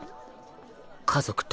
家族と